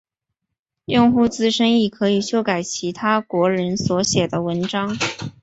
用户自身亦可以修改其他国人所写的文章。